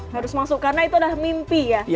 harus masuk karena itu adalah mimpi ya